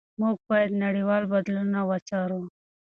موږ باید نړیوال بدلونونه وڅارو.